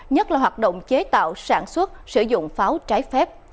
nhất là hoạt động chế tạo sản xuất sử dụng pháo trái phép